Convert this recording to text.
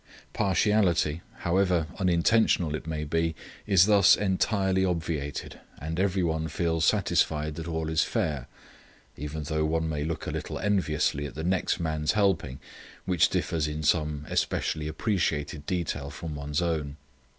"Partiality, however unintentional it may be, is thus entirely obviated and every one feels satisfied that all is fair, even though one may look a little enviously at the next man's helping, which differs in some especially appreciated detail from one's own.